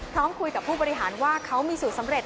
พร้อมกับผู้บริหารว่าเขามีสูตรสำเร็จ